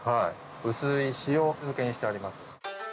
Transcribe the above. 薄い塩漬けにしてあります。